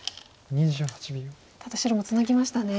ただ白もツナぎましたね。